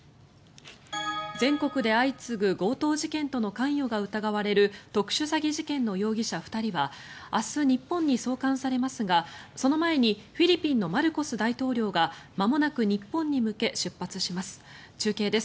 全国で相次ぐ強盗事件との関与が疑われる特殊詐欺事件の容疑者２人は明日、日本に送還されますがその前にフィリピンのマルコス大統領がまもなく日本に向け出発します。